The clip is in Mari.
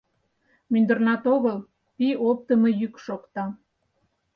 Мӱндырнат огыл пий оптымо йӱк шокта.